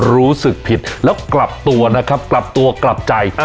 รู้สึกผิดแล้วกลับตัวนะครับกลับตัวกลับใจ